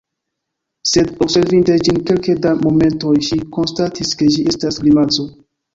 Sed observinte ĝin kelke da momentoj, ŝi konstatis ke ĝi estas grimaco.